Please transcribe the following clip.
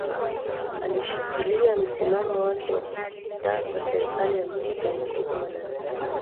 akishikilia msimamo wake wa kutaka serikali ya mpito iondoke madarakani